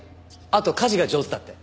あと家事が上手だって。